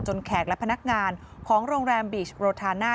แขกและพนักงานของโรงแรมบีชโรทาน่า